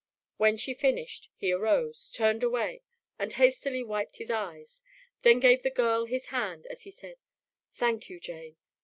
When she finished, he arose, turned away, and hastily wiped his eyes, then gave the girl his hand as he said, "Thank you, Jane.